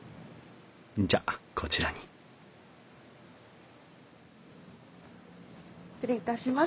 じゃこちらに失礼いたします。